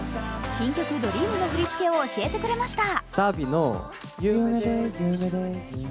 新曲「ＤＲＥＡＭ」の振り付けを教えてくれました。